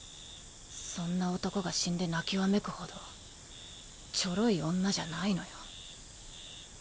そんな男が死んで泣きわめくほどチョロい女じゃないのよ。